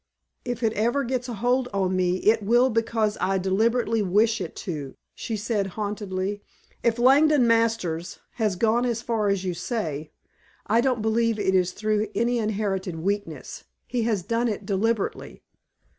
"If it ever 'gets a hold' on me it will because I deliberately wish it to," she said haughtily. "If Langdon Masters has gone as far as you say, I don't believe it is through any inherited weakness. He has done it deliberately."